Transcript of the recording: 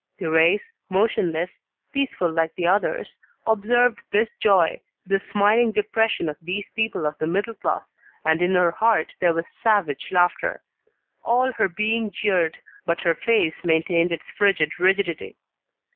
Thérèse, motionless, peaceful like the others, observed this joy, this smiling depression of these people of the middle class, and in her heart there was savage laughter; all her being jeered, but her face maintained its frigid rigidity.